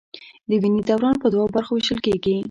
د وینې دوران په دوو برخو ویشل کېږي.